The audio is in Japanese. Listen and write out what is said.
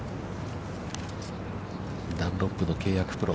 ダンロップの契約プロ。